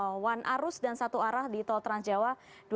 soal sistem laun arus dan satu arah di tol trans jawa dua ribu sembilan belas